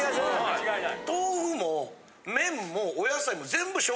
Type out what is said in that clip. ・間違いない！